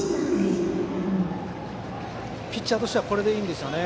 ピッチャーとしてはこれでいいんですよね。